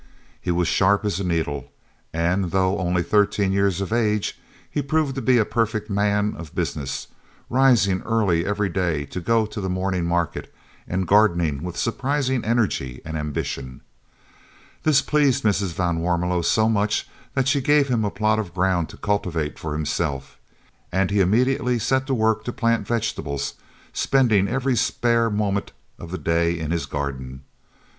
He was as sharp as a needle, and, though only thirteen years of age, he proved to be a perfect "man" of business, rising early every day to go to the morning market and gardening with surprising energy and ambition. This pleased Mrs. van Warmelo so much that she gave him a plot of ground to cultivate for himself, and he immediately set to work to plant vegetables, spending every spare moment of the day in his garden.